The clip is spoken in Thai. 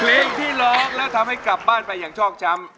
เพลงที่ร้องแล้วทำให้กลับบ้านไปอย่างชอกช้ำ